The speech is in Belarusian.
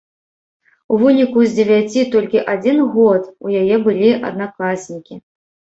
У выніку з дзевяці толькі адзін год у яе былі аднакласнікі.